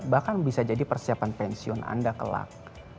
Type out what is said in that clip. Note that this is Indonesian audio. bahkan bisa jadi persiapan pensiun anda kelak